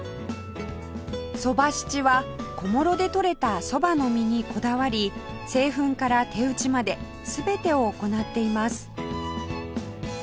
そば七は小諸で取れたそばの実にこだわり製粉から手打ちまで全てを行っています